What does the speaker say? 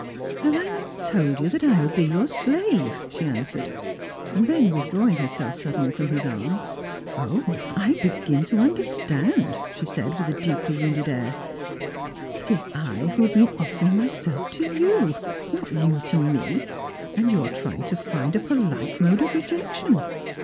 " Have I not told you that I will be your slave ?" she an swered; and then withdrawing herself suddenly from his arms, ^' 0, I begin to understand," she said, with a deeply wounded air; "it is I who have been offering myself to you, not you to me, and you are trying to find a polite mode of rejection.